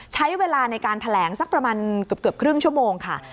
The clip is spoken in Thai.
ใช้เวลาในการแถลงสักประมาณเกือบครึ่งชั่วโมงค่ะ